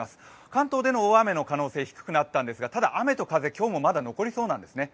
関東での大雨の可能性は低くなったんですがただ雨と風今日もまだ残りそうなんですね。